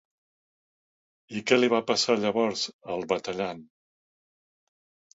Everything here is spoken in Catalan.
I què li va passar llavors al batallant?